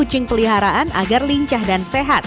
obed memiliki peliharaan agar lincah dan sehat